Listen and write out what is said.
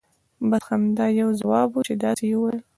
بس همدا یو ځواب وو چې داسې یې ویل.